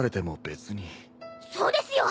そうですよ！